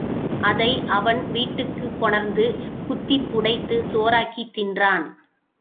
அதை அவன் வீட்டுக்குக் கொணர்ந்து குத்திப் புடைத்துச் சோறாக்கித் தின்றான்.